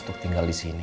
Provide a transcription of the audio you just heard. untuk tinggal disini